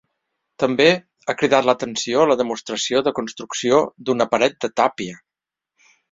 També ha cridat l’atenció la demostració de construcció d’una paret de tàpia.